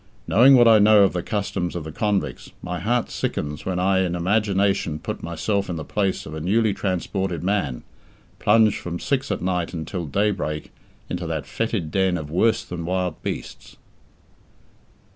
Knowing what I know of the customs of the convicts, my heart sickens when I in imagination put myself in the place of a newly transported man, plunged from six at night until daybreak into that foetid den of worse than wild beasts.